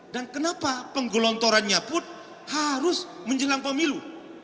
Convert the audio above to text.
dan kenapa penggelontorannya pun harus menjelang pemilu